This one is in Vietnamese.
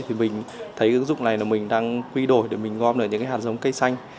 thì mình thấy ứng dụng này là mình đang quy đổi để mình gom được những cái hạt giống cây xanh